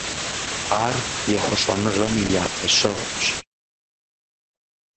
Ар ехъулӀэныгъэм и япэ щэхущ.